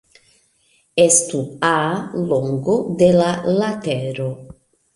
Estu "a" longo de la latero.